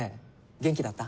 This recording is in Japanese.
元気だった？